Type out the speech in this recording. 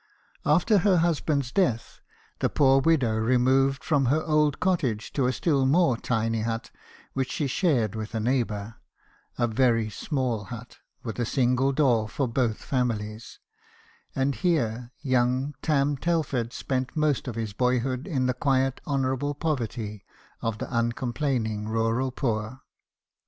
After her husband's death, the poor widow removed from her old cottage to a still more tin) hut, which she shared with a neighbour a very small hut, with a single door for both families ; and here young Tarn Telford spent most of his boyhood in the quiet honourable poverty of the uncomplaining rural poor.